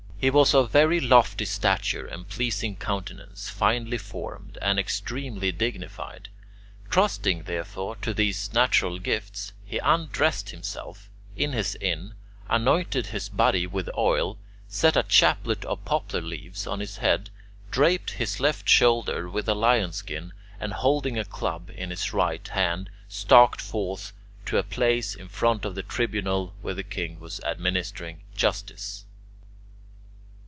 He was of very lofty stature and pleasing countenance, finely formed, and extremely dignified. Trusting, therefore, to these natural gifts, he undressed himself in his inn, anointed his body with oil, set a chaplet of poplar leaves on his head, draped his left shoulder with a lion's skin, and holding a club in his right hand stalked forth to a place in front of the tribunal where the king was administering justice.